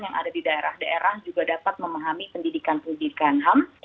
yang ada di daerah daerah juga dapat memahami pendidikan pendidikan ham